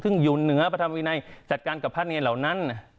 ซึ่งอยู่เหนือพระธรรมวินัยจัดการกับพระเนรเหล่านั้น